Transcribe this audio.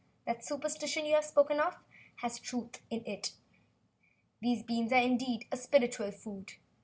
That old superstition you have spoken of has truth in it. These beans are indeed a spiritual food.